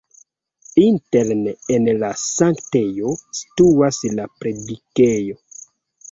Interne en la sanktejo situas la predikejo.